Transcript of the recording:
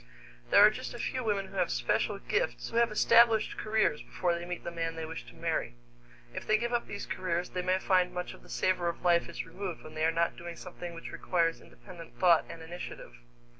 There are just a few women who have special gifts, who have established careers before they meet the men they wish to marry. If they give up these careers, they may find much of the savor of life is removed when they are not doing something which requires independent thought and initiative.